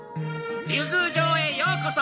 「竜宮城へようこそ！」